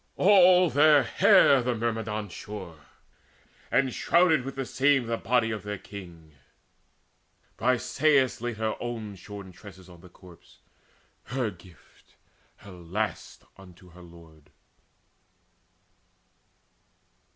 All their hair The Myrmidons shore, and shrouded with the same The body of their king. Briseis laid Her own shorn tresses on the corpse, her gift, Her last, unto her lord.